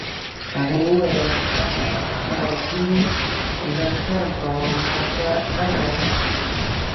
هغې وویل: فرګي، زه شرم کوم، مه ژاړه.